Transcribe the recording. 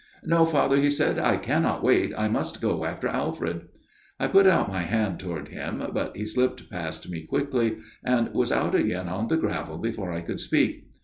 '"No, Father,' he said, ' I cannot wait. I must go after Alfred/ " I put out my hand toward him, but he slipped past me quickly, and was out again on the gravel before I could speak.